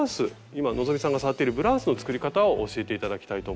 今希さんが触っているブラウスの作り方を教えて頂きたいと思ってます。